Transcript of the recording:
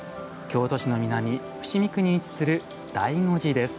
京都市の南、伏見区に位置する醍醐寺です。